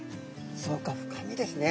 そうか深みですね。